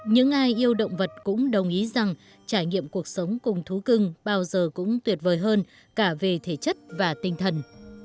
những ai yêu động vật cũng đồng ý rằng trải nghiệm cuộc sống cùng thú cưng bao giờ cũng tuyệt vời hơn cả về thể chất và tinh thần